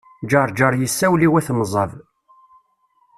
Ǧeṛǧeṛ yessawel i wat Mẓab.